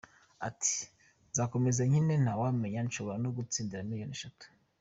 Ati “ Nzakomeza nkine nta wamenya nshobora no gutsindira miliyoni eshanu.